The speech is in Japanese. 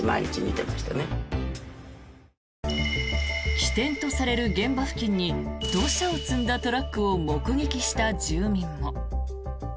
起点とされる現場付近に土砂を積んだトラックを目撃した住民も。